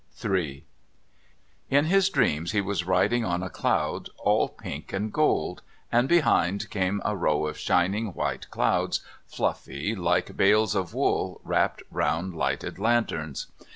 III In his dreams he was riding on a cloud all pink and gold, and behind came a row of shining, white clouds fluffy like bales of wool wrapped round lighted lanterns.